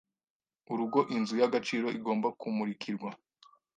urugo Inzu yagaciro igomba kumurikirwa